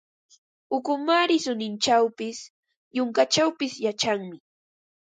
Ukumaari suninchawpis, yunkachawpis yachanmi.